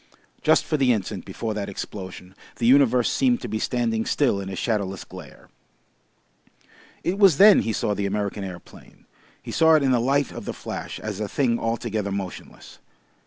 Just for the instant before that explosion the universe seemed to be standing still in a shadowless glare. It was then he saw the American aeroplane. He saw it in the light of the flash as a thing altogether motionless.